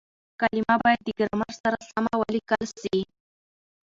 کليمه بايد د ګرامر سره سمه وليکل سي.